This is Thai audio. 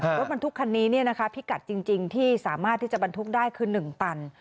รถบรรทุกคันนี้พิกัดจริงที่สามารถที่จะบรรทุกได้คือ๑ตัน